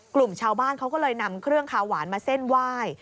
กลุ่มชาวบ้านเขาก็เลยนำเครื่องคาหวานมาเส้นไหว้